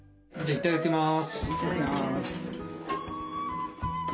いただきます！